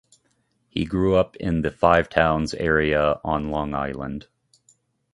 He grew up in the Five Towns area on Long Island.